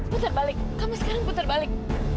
putar balik kamu sekarang putar balik